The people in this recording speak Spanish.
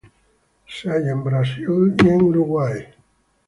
Se halla en Brasil y en Uruguay.